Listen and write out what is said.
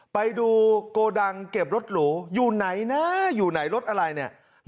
ไปดูโกดังเก็บรถหรูอยู่ไหนนะอยู่ไหนรถอะไรเนี่ย